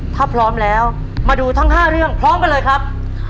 ถ้าพร้อมแล้วมาดูทั้ง๕เรื่องพร้อมกันเลยครับ